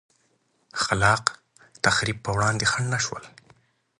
خلا ق تخریب پر وړاندې خنډ نه شول.